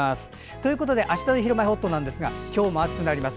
ということであしたの「ひるまえほっと」今日も暑くなります。